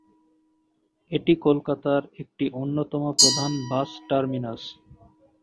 এটি কলকাতার একটি অন্যতম প্রধান বাস টার্মিনাস।